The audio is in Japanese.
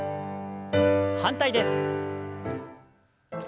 反対です。